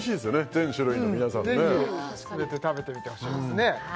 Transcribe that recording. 全種類の皆さんね全て食べてみてほしいですね